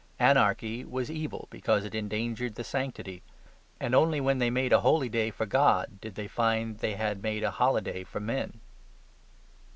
Anarchy was evil because it endangered the sanctity. And only when they made a holy day for God did they find they had made a holiday for men.